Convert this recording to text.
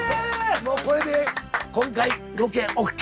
もうこれで今回ロケＯＫ！